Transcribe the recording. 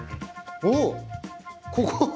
おっここ？